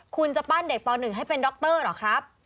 คุณจะปั้นเด็กป๑ให้เป็นดรเหรอครับ